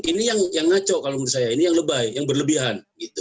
ini yang ngaco kalau menurut saya ini yang lebay yang berlebihan